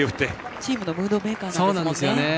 チームのムードメーカーですね。